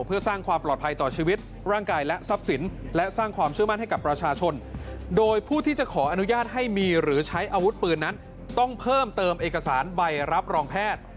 เพื่อสร้างความปลอดภัยต่อชีวิตร่างกายและทรัพย์สินและสร้างความเชื่อมั่นให้กับประชาชนโดยผู้ที่จะขออนุญาตให้มีหรือใช้อาวุธปืนนั้นต้องเพิ่มเติมเอกสารใบรับรองแพทย์